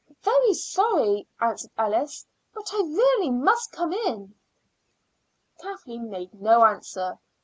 "Very sorry," answered Alice, "but I really must come in." Kathleen made no answer.